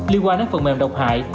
liên quan đến phần mềm độc hại